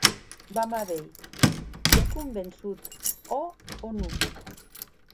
Vam a veir, t’é convençut, òc o non?